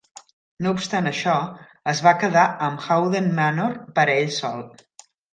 No obstant això, es va quedar amb Howden Manor per a ell sol.